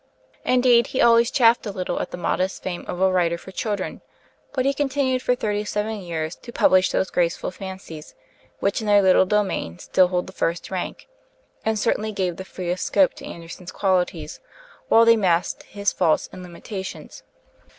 Indeed, he always chafed a little at the modest fame of a writer for children; but he continued for thirty seven years to publish those graceful fancies, which in their little domain still hold the first rank, and certainly gave the freest scope to Andersen's qualities, while they masked his faults and limitations.